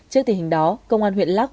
trước tình hình đó công an huyện lắc